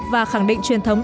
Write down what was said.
và khẳng định truyền thống